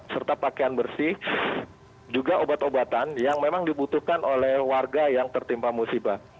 serta pakaian bersih juga obat obatan yang memang dibutuhkan oleh warga yang tertimpa musibah